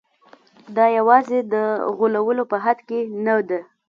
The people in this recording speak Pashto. دا یوازې د غولولو په حد کې نه ده.